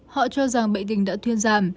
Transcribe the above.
họ cho rằng bệnh tình đã thuyên giảm